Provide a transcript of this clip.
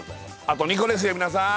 あと２個ですよ皆さん！